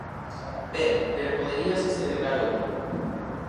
Ben, pero poderíase segregar outro.